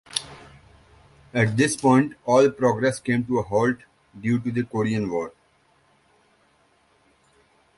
At this point, all progress came to a halt due to the Korean War.